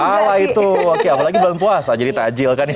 iya pahala itu oke apalagi belum puasa jadi tajil kan ya